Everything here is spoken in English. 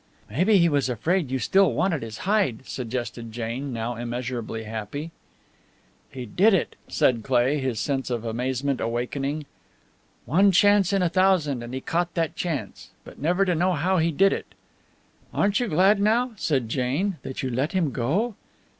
"Maybe he was afraid you still wanted his hide," suggested Jane, now immeasurably happy. "He did it!" said Cleigh, his sense of amazement awakening. "One chance in a thousand, and he caught that chance! But never to know how he did it!" "Aren't you glad now," said Jane, "that you let him go?"